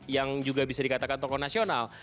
yang juga bisa dikatakan tokoh nasional